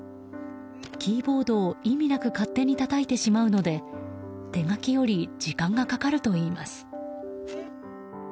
キーボードを意味なく勝手にたたいてしまうので手書きより時間がかかるといいます。